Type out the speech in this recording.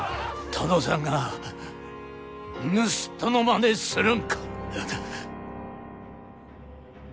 殿さんが盗人のまねするんか！